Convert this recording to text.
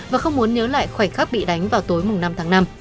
và không muốn nhớ lại khoảnh khắc bị đánh vào tối năm tháng năm